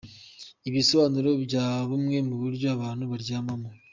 Ibisobanuro bya bumwe mu buryo abantu baryamamo